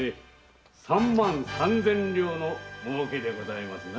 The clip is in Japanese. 三万三千両のもうけでございますな。